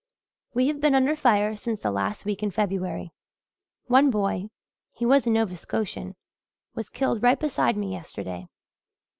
"We have been under fire since the last week in February. One boy he was a Nova Scotian was killed right beside me yesterday.